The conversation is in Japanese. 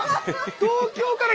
東京から？